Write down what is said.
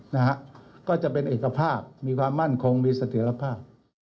นะฮะก็จะเป็นเอกภาพมีความมั่นคงมีเสถียรภาพ